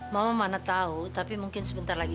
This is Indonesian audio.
mau mana tahu tapi mungkin sebentar lagi